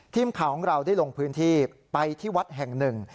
ทีมข่าวของเราได้ลงพื้นที่ไปที่วัดแห่งหนึ่ง